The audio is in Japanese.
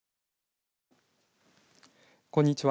こんにちは。